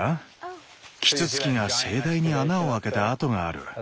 キツツキが盛大に穴を開けた跡がある。